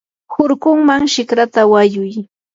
hurkunman shikrata wayuy.